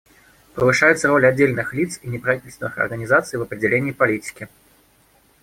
Повышается роль отдельных лиц и неправительственных организаций в определении политики.